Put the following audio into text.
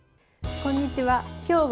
こんにちは。